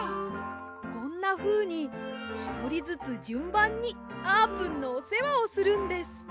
こんなふうにひとりずつじゅんばんにあーぷんのおせわをするんです！